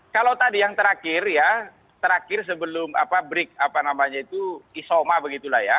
kalau tadi yang terakhir ya terakhir sebelum break apa namanya itu isoma begitulah ya